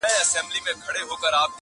ږغ ده محترم ناشناس صاحب؛